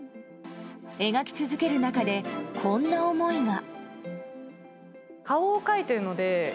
描き続ける中で、こんな思いが。